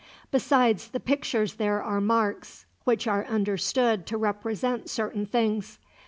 Besides the pictures there are marks, which are understood to represent certain things.